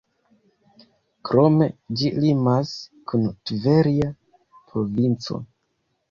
Krome, ĝi limas kun Tverja provinco.